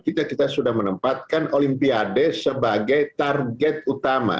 kita sudah menempatkan olimpiade sebagai target utama